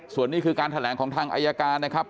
ส่วนนี้คือการแถลงของทางอายการนะครับ